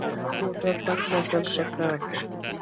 موټر پاک ساتل ښه کار دی.